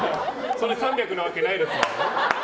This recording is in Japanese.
それ３００なわけないですから。